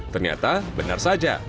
ternyata benar saja